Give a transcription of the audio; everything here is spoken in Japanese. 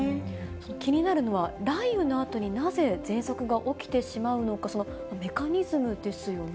気になるのは、雷雨のあとに、なぜ、ぜんそくが起きてしまうのか、そのメカニズムですよね。